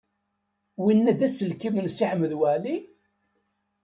Winna d aselkim n Si Ḥmed Waɛli?